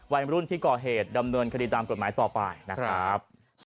วัยรุ่นที่ก่อเหตุดำเนินคดีตามกฎหมายต่อไปนะครับ